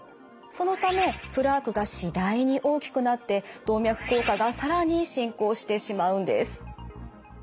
そのためプラークが次第に大きくなって動脈硬化が更に進行してしまうんです。